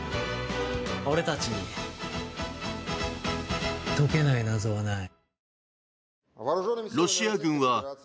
俺たちに解けない謎はない。